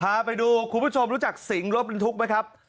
พาไปดูคุณผู้ชมรู้จักสิงรถบรรทุกไหมครับ